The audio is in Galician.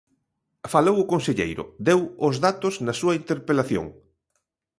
Falou o conselleiro, deu os datos na súa interpelación.